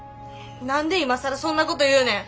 何で今更そんなこと言うねん。